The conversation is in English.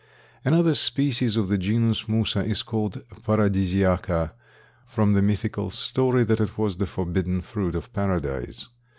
Another species of the genus Musa is called paradisiaca from the mythical story that it was the forbidden fruit of Paradise.